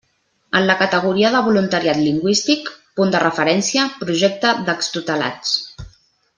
En la categoria de voluntariat lingüístic, Punt de Referència – Projecte d'extutelats.